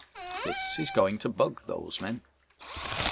This is going to bug these men.